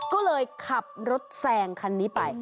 ก็เลยขับรถแซงคันนี้ไป